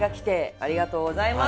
ありがとうございます。